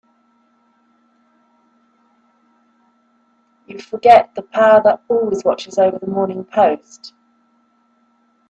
You forget the power that always watches over the Morning Post.